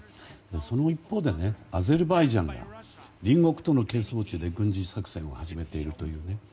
その一方で、アゼルバイジャンが隣国との係争地で軍事作戦を始めているというね。